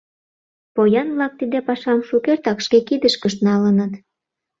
Поян-влак тиде пашам шукертак шке кидышкышт налыныт.